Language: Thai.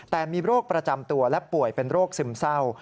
แต่มีโรคประจำตัวและป่วยเป็นโรคซึมเศร้า